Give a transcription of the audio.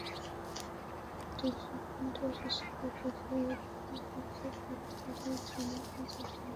Defender হিসেবে career গড়া Pique goal করেই যেন মজা পান বেশি।